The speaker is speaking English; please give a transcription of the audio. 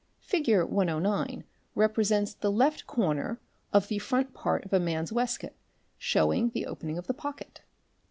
Fig. 109 represents the left corner Yfy of the front part of a man's waistcoat showing j the opening of the pocket.